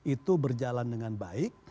itu berjalan dengan baik